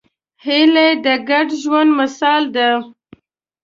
هیلۍ د ګډ ژوند مثال ده